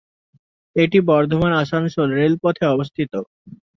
এটি বর্ধমান-আসানসোল রেলপথে অবস্থিত।